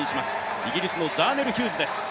イギリスのザーネル・ヒューズです。